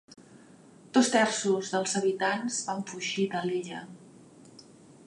Dos terços dels habitants van fugir de l'illa.